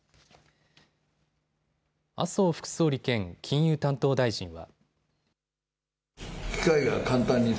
麻生副総理兼金融担当大臣は。